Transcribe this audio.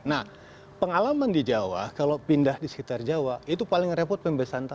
nah pengalaman di jawa kalau pindah di sekitar jawa itu paling repot pembebasan tanah